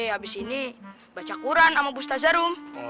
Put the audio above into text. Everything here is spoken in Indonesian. habis ini baca quran sama bustazarum